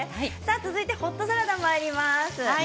続いてホットサラダにまいります。